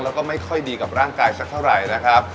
แล้วก็ไม่ค่อยดีกับร่างกายสักเท่าไหร่นะครับ